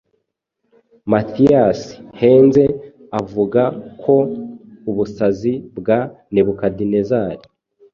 Matthias Henze avuga ko ubusazi bwa Nebukadinezari